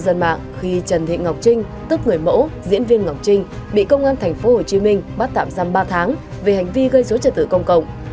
trên mạng khi trần thị ngọc trinh tức người mẫu diễn viên ngọc trinh bị công an tp hcm bắt tạm giam ba tháng về hành vi gây dối trật tự công cộng